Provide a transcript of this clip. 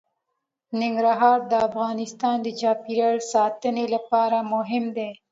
ننګرهار د افغانستان د چاپیریال ساتنې لپاره مهم دي.